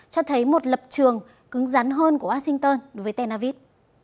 cho thấy một lập trường cứng rắn hơn của washington với tên avid